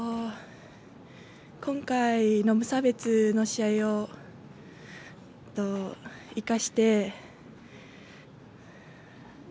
今回の無差別の試合を生かして。